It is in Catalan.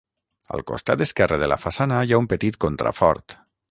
Al costat esquerre de la façana hi ha un petit contrafort.